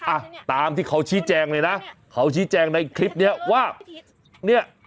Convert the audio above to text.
อ่ะตามที่เขาชี้แจงเลยนะเขาชี้แจงในคลิปเนี้ยว่าเนี่ย